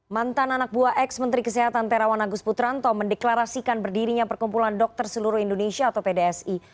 mantan anak buah ex menteri kesehatan terawan agus putranto mendeklarasikan berdirinya perkumpulan dokter seluruh indonesia atau pdsi